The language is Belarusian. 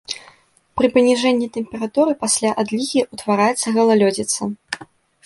Пры паніжэнні тэмпературы пасля адлігі ўтвараецца галалёдзіца.